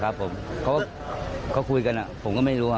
ครับผมเขาคุยกันผมก็ไม่รู้